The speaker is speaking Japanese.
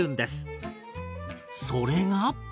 それが。